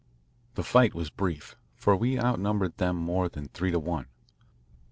The fight was brief, for we outnumbered them more than three to one.